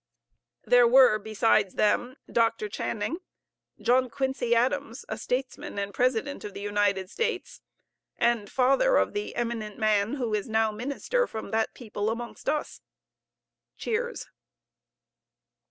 There were besides them, Dr. Channing, John Quincy Adams, a statesman and President of the United States, and father of the eminent man who is now Minister from that people amongst us. (Cheers.)